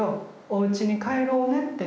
おうちに帰ろうねって。